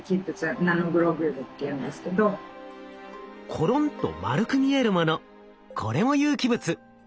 ころんと丸く見えるものこれも有機物。